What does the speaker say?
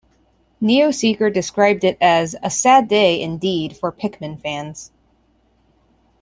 Neoseeker described it as a "sad day indeed for "Pikmin" fans".